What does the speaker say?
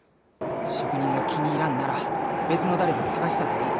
職人が気に入らんなら別の誰ぞを探したらえい。